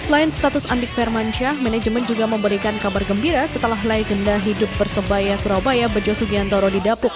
selain status andik firmansyah manajemen juga memberikan kabar gembira setelah legenda hidup persebaya surabaya bejo sugiantoro didapuk